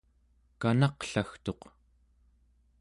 kanaqlagtuq